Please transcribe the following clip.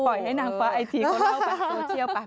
ปล่อยให้หนังฟ้าไอทีก็เล่าแบบโซเชียลไป